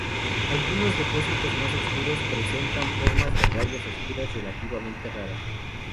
Algunos depósitos más oscuros presentan formas de rayas oscuras relativamente raras.